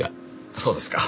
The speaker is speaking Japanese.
そうですか。